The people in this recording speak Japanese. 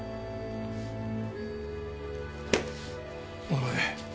お前